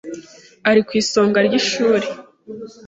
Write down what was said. Ari ku isonga ryishuri